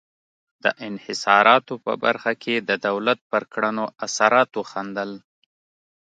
د انحصاراتو په برخه کې د دولت پر کړنو اثرات وښندل.